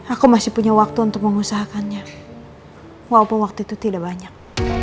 aku masih punya waktu untuk mengusahakannya walaupun waktu itu tidak banyak